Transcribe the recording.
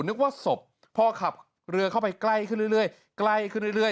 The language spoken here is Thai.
นึกว่าศพพอขับเรือเข้าไปใกล้ขึ้นเรื่อยใกล้ขึ้นเรื่อย